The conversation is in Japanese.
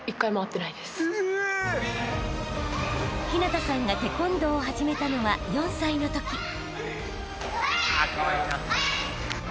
［陽向さんがテコンドーを始めたのは４歳のとき］